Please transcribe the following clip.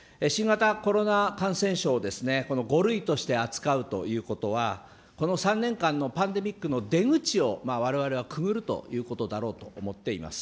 新型コロナ感染症ですね、５類として扱うということは、この３年間のパンデミックの出口をわれわれはくぐるということだろうと思っています。